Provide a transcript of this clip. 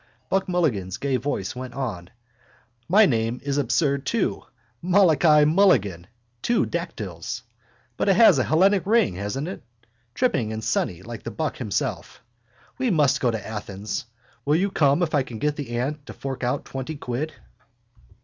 Buck Mulligan's gay voice went on. —My name is absurd too: Malachi Mulligan, two dactyls. But it has a Hellenic ring, hasn't it? Tripping and sunny like the buck himself. We must go to Athens. Will you come if I can get the aunt to fork out twenty quid?